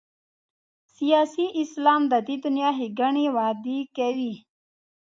سیاسي اسلام د دې دنیا ښېګڼې وعدې کوي.